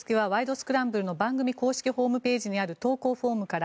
スクランブル」の番組公式ホームページにある投稿フォームから。